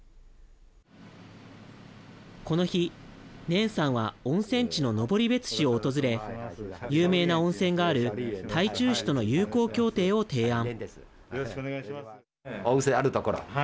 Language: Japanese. この日、粘さんは温泉地の登別市を訪れ有名な温泉がある台中市との友好協定を提案。